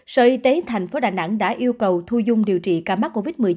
sở y tế tp đà nẵng đã yêu cầu thu dung điều trị ca mắc covid một mươi chín